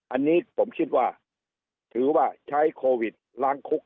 อันนี้ผมคิดว่าถือว่าใช้โควิดล้างคุก